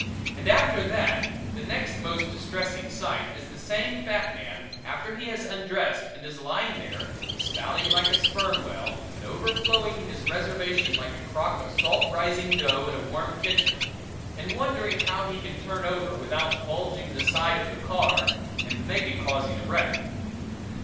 And after that, the next most distressing sight is the same fat man after he has undressed and is lying there, spouting like a sperm whale and overflowing his reservation like a crock of salt rising dough in a warm kitchen, and wondering how he can turn over without bulging the side of the car and maybe causing a wreck.